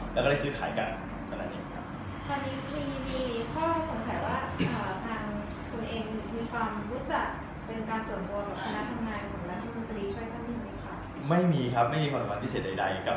แล้วก็ได้รับป้องหมายมานะครับจากใครก็ตามเนี่ยถ้าผมช่วยได้ผมก็จะช่วยนะครับก็จะทำนะครับ